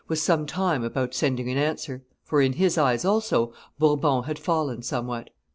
was some time about sending an answer; for, in his eyes also, Bourbon had fallen somewhat.